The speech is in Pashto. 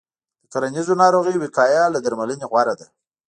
د کرنیزو ناروغیو وقایه له درملنې غوره ده.